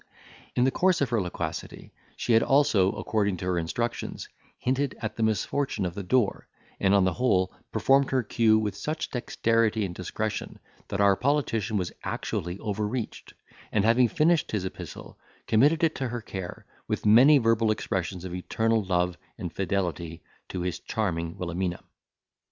In the course of her loquacity she had also, according to her instructions, hinted at the misfortune of the door; and, on the whole, performed her cue with such dexterity and discretion that our politician was actually overreached, and, having finished his epistle, committed it to her care, with many verbal expressions of eternal love and fidelity to his charming Wilhelmina.